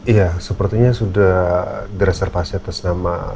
iya sepertinya sudah direservasi atas nama